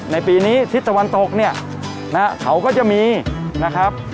ในปีนี้ทิศตะวันตกเนี่ยนะฮะเขาก็จะมีนะครับ